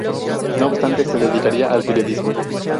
No obstante, se dedicaría al periodismo.